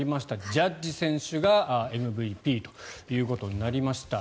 ジャッジ選手がＭＶＰということになりました。